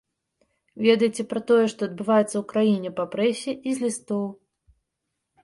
Ведае пра тое, што адбываецца ў краіне па прэсе і з лістоў.